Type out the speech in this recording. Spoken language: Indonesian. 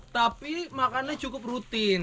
tapi makannya cukup rutin